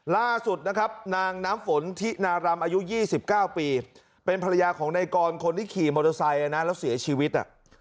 ล่าสุดนะครับนางน้ำฝนทินารำอายุ๒๙ปีเป็นภรรยาของนายกรคนที่ขี่มอเตอร์ไซค์นะแล้วเสียชีวิต